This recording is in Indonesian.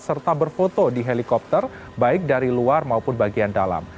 serta berfoto di helikopter baik dari luar maupun bagian dalam